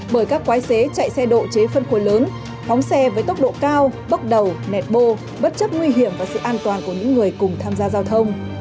bởi các quái xế chạy xe độ chế phân khối lớn phóng xe với tốc độ cao bốc đầu nẹt bô bất chấp nguy hiểm và sự an toàn của những người cùng tham gia giao thông